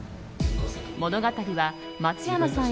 物語は松山さん